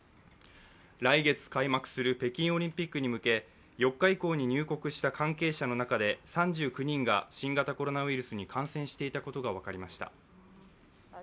来月開幕する北京オリンピックに向け３９人が新型コロナウイルスに感染していたことが分かりました。